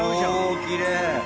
おきれい！